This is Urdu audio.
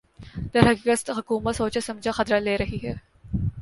درحقیقت حکومت سوچاسمجھا خطرہ لے رہی ہے